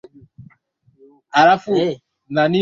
Zanzibar ina historia ya kipekee sana na yenye kufurahisha